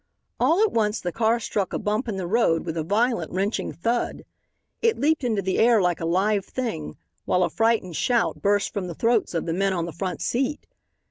All at once the car struck a bump in the road with a violent wrenching thud. It leaped into the air like a live thing while a frightened shout burst from the throats of the men on the front seat.